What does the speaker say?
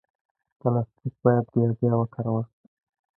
پلاستيک باید بیا وکارول شي.